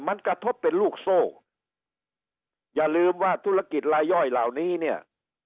มันกระทบเป็นลูกโซ่อย่าลืมว่าธุรกิจลายย่อยเหล่านี้เนี่ย